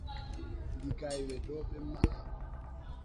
Ndi gay we dɔɔ ɓɛ maʼa.